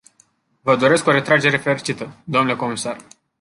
Vă doresc o retragere fericită, dle comisar.